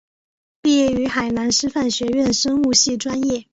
毕业于海南师范学院生物系专业。